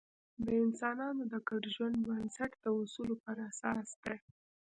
د انسانانو د ګډ ژوند بنسټ د اصولو پر اساس دی.